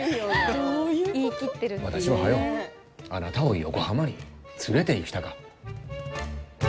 私は早うあなたを横浜に連れていきたか。